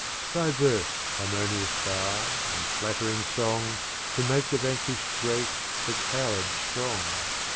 Thy Verse, Harmonious Bard, and flatt'ring Song, Can make the Vanquish'd Great, the Coward strong.